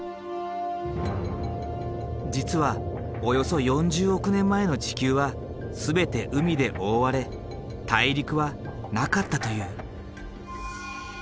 実はおよそ４０億年前の地球は全て海で覆われ大陸はなかったという。